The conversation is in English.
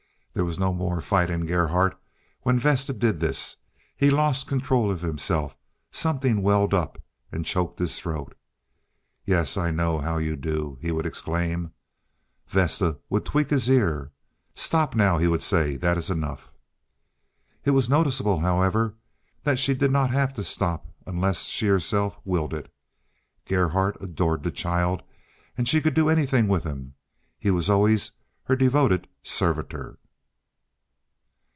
There was no more fight in Gerhardt when Vesta did this. He lost control of himself—something welled up and choked his throat. "Yes, I know how you do," he would exclaim. Vesta would tweak his ear. "Stop now!" he would say. "That is enough." It was noticeable, however, that she did not have to stop unless she herself willed it. Gerhardt adored the child, and she could do anything with him; he was always her devoted servitor.